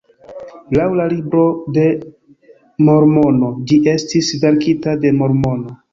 Laŭ la Libro de Mormono, ĝi estis verkita de Mormono.